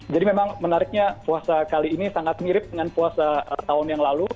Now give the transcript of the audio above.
jadi memang menariknya puasa kali ini sangat mirip dengan puasa tahun yang lalu